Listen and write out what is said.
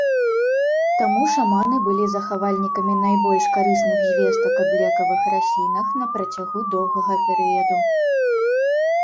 Таму шаманы былі захавальнікамі найбольш карысных звестак аб лекавых раслінах на працягу доўгага перыяду.